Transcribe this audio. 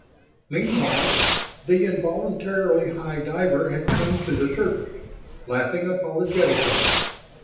Meanwhile, the involuntarily high diver had come to the surface, laughing apologetically.